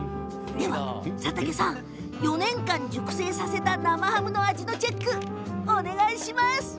では、佐竹さん４年間熟成させた生ハムの味のチェック、お願いします。